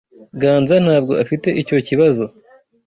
Ganza ntabwo afite icyo kibazo.